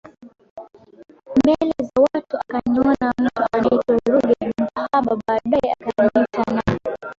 mbele za watu akaniona mtu anaitwa Ruge Mutahaba baadae akaniita na